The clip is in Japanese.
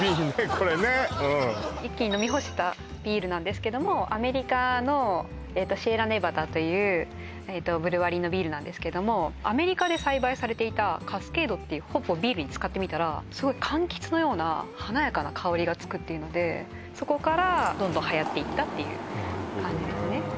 これね一気に飲み干したビールなんですけどもアメリカのシエラネバダというブルワリーのビールなんですけどもアメリカで栽培されていたカスケードっていうホップをビールに使ってみたらすごい柑橘のような華やかな香りがつくっていうのでそこからどんどんはやっていったっていう感じですね